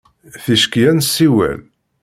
Ticki ad nessiwel.